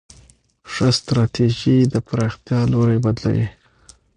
ښه ستراتیژي د پراختیا لوری بدلوي.